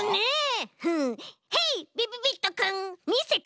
ヘイびびびっとくんみせて！